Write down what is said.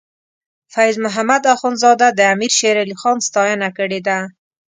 فیض محمد اخونزاده د امیر شیر علی خان ستاینه کړې ده.